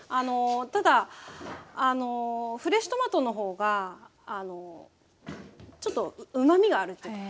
ただあのフレッシュトマトの方がちょっとうまみがあるっていうか。